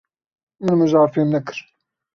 Min mijar fêm nekir.